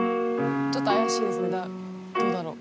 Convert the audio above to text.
ちょっと怪しいですねどうだろう？